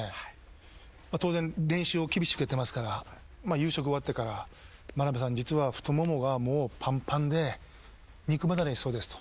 当然練習を厳しくやってますから夕食終わってから眞鍋さん実は太ももがもうパンパンで肉離れしそうですと。